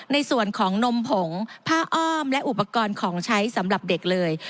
ในส่วนของนมผงผ้าอ้อมและอุปกรณ์ของใช้สำหรับเด็กเลย